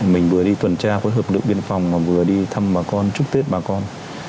mình vừa đi tuần tra với hợp lực lượng biên phòng mà vừa đi thăm bà con chúc tết bà con